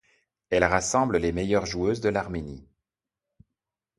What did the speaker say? Elle rassemble les meilleures joueuses de l'Arménie.